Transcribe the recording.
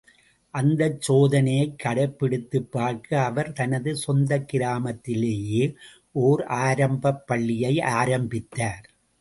அந்த சோதனையைக் கடைப்பிடித்துப் பார்க்க அவர் தனது சொந்தக் கிராமத்திலேயே ஓர் ஆரம்பப் பள்ளியை ஆரம்பித்தார்.